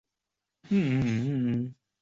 鼎湖青冈为壳斗科青冈属下的一个种。